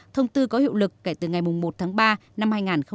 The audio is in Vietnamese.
thông tư có hiệu lực kể từ ngày một tháng ba năm hai nghìn một mươi tám